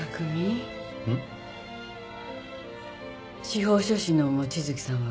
司法書士の望月さん分かる？